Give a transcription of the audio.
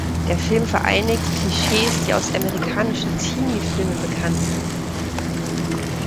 Der Film vereinigt Klischees, die aus amerikanischen Teenie-Filmen bekannt sind.